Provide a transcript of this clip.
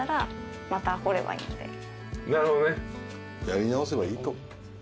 やり直せばいいと。